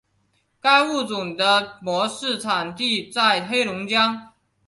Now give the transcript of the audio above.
该物种的模式产地在黑龙江。